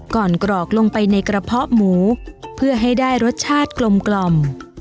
กรอกลงไปในกระเพาะหมูเพื่อให้ได้รสชาติกลม